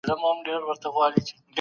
ګاونډی هیواد نوی تړون نه لاسلیک کوي.